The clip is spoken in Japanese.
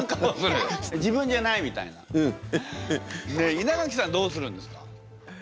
ねえ稲垣さんどうするんですか？